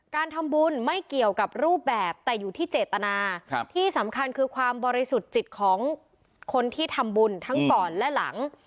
การทำบุญไม่เกี่ยวกับรูปแบบแต่อยู่ที่เจตนาที่สำคัญคือความบริสุทธิ์จิตของคนที่ทำบุญทั้งก่อนและหลัง